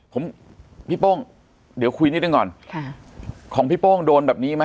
ผมพี่โป้งเดี๋ยวคุยนิดหนึ่งก่อนค่ะของพี่โป้งโดนแบบนี้ไหม